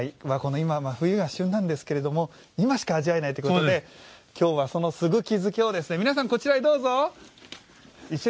今は冬が旬なんですけど今しか味わえないということで今日は、そのすぐき漬けを皆さん、こちらへどうぞ。